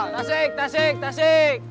tasik tasik tasik